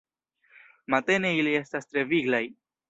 Matene ili estas tre viglaj.